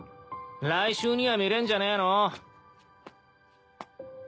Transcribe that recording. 来週には見れんじゃねえの。